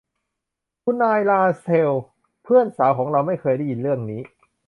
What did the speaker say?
คุณนายราเชล เพื่อนสาวของเราไม่เคยได้ยินเรื่องนี้